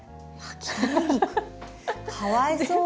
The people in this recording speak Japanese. かわいそう。